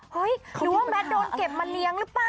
หรือว่าแมทโดนเก็บมาเลี้ยงหรือเปล่า